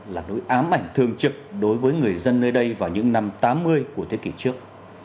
là nỗi ám ảnh thường trực đối với người dân nơi đây vào những năm tám mươi của thế kỷ trước